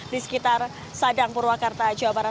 di sekitar sadang purwakarta jawa barat